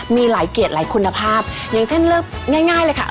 มีหลายเกียรติหลายคุณภาพอย่างเช่นเลือกง่ายเลยค่ะ